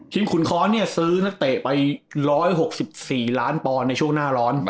ขุนค้อนเนี่ยซื้อนักเตะไป๑๖๔ล้านปอนด์ในช่วงหน้าร้อน